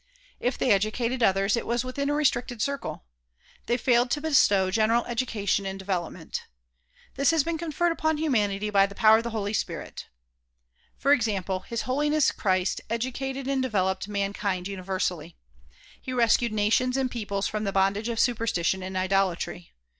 If they educated others it was within a restricted circle; they failed to bestow general education and development. This has been conferred upon humanity by the power of the Holy Spirit. For example, His Holiness Christ educated and developed man kind universally. He rescued nations and peoples from the bondage of superstition and idolatry.